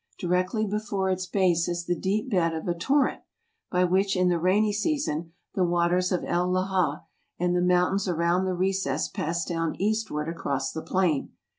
Directly before its base is the deep bed of a torrent, by which in the rainy season the waters of El Leja and the mountains around the recess pass down eastward across the plain.